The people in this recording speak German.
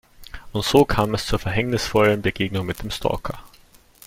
Und so kam es zur verhängnisvollen Begegnung mit dem Stalker.